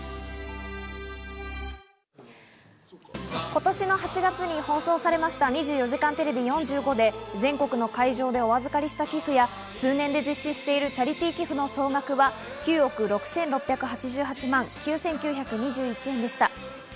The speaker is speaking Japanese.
今年の８月に放送されました『２４時間テレビ４５』で全国の会場でお預かりした寄付や、通年で実施しているチャリティー寄付の総額は９億６６８８万９９２１円でした。